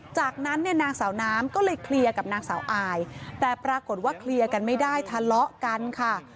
จากนั้นเนี่ยนางสาวน้ำก็เลยเคลียร์กับนางสาวอายแต่ปรากฏว่าเคลียร์กันไม่ได้ทะเลาะกันค่ะ